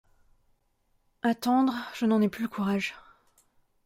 Attendre, je n’en ai plus le courage…